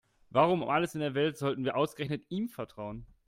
Und warum um alles in der Welt sollten wir ausgerechnet ihm vertrauen?